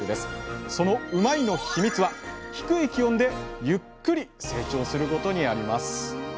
そのうまいッ！のヒミツは低い気温でゆっくり成長することにあります